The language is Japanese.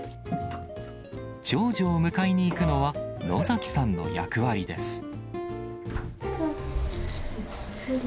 長女を迎えに行くのは、野崎さんの役割です。